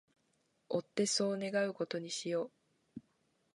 追ってそう願う事にしよう